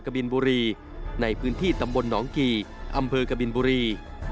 บินบุรีในพื้นที่ตำบลหนองกี่อำเภอกบินบุรี